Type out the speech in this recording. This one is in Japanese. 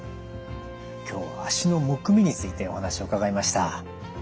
今日は脚のむくみについてお話を伺いました。